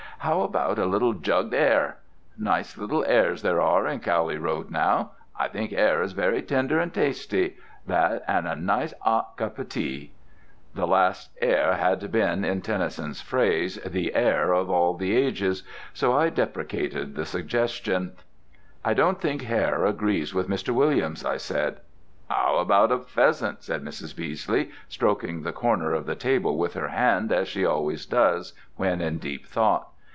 "How about a little jugged 'are? Nice little 'ares there are in Cowley Road now. I thinks 'are is very tender an' tasty. That, an' a nice 'ot cup o' tea?" The last 'are had been, in Tennyson's phrase, "the heir of all the ages," so I deprecated the suggestion. "I don't think hare agrees with Mr. Williams," I said. "'Ow about a pheasant?" said Mrs. Beesley, stroking the corner of the table with her hand as she always does when in deep thought.